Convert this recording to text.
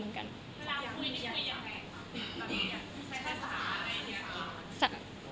มีแค่เมื่อกี๊